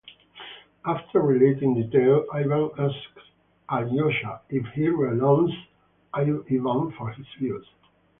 After relating the tale, Ivan asks Alyosha if he "renounces" Ivan for his views.